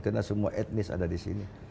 karena semua etnis ada disini